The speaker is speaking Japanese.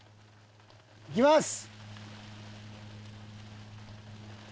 いきます！